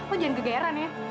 eh lu jangan gegeran ya